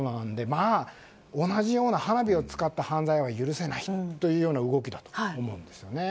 同じような花火を使った犯罪は許せないというような動きだったと思うんですね。